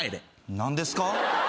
何ですか？